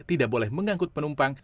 tidak boleh mengangkut penumpang